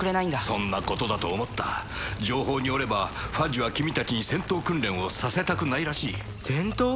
そんなことだと思った情報によればファッジは君たちに戦闘訓練をさせたくないらしい戦闘？